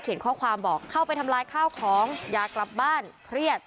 ข้อความบอกเข้าไปทำลายข้าวของอยากกลับบ้านเครียด